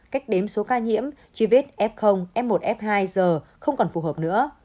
cách đếm số ca nhiễm chi vết f f một f hai g không còn phù hợp nữa